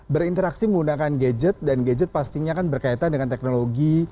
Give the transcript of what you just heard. berinteraksi menggunakan gadget dan gadget pastinya kan berkaitan dengan teknologi